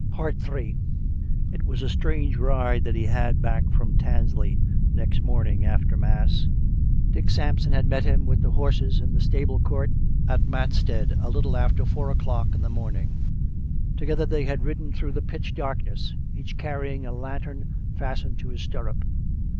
Ill It was a strange ride that he had back from Tansley next morning after mass, Dick Sampson had met him with the horses in the stable court at Matstead a little after four o'clock in the morn ing; and together they had ridden through the pitch dark ness, each carrying a lantern fastened to his stirrup.